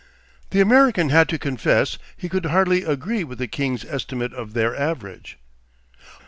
The American had to confess he could hardly agree with the king's estimate of their average.